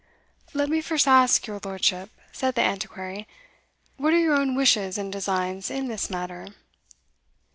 "Let me first ask your lordship," said the Antiquary, "what are your own wishes and designs in this matter?"